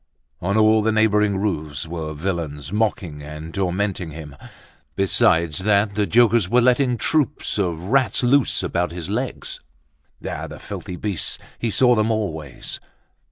On all the neighboring roofs were villains mocking and tormenting him. Besides that, the jokers were letting troops of rats loose about his legs. Ah! the filthy beasts, he saw them always!